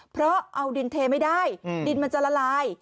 เพราะเอาดินเทไม่ได้ดินมันจะละลาย